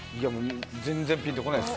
全然ぴんと来ないです。